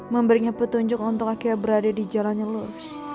memberinya petunjuk untuk akhirnya berada di jalannya love